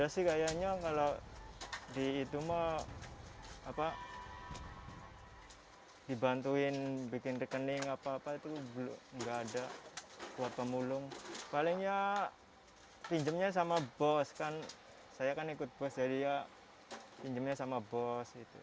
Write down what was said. saya sama bos saya kan ikut bos jadi ya pinjemnya sama bos